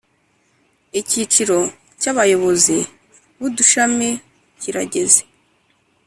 Icyiciro cy’Abayobozi b’udushami kirageze